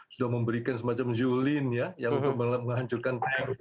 sudah memberikan semacam ziulin untuk menghancurkan